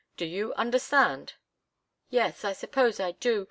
Do you understand?" "Yes I suppose I do.